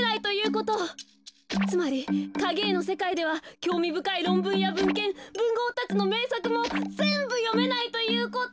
つまりかげえのせかいではきょうみぶかいろんぶんやぶんけんぶんごうたちのめいさくもぜんぶよめないということ。